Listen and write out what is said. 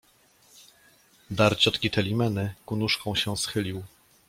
Dar ciotki Telimeny, ku nóżkom się schylił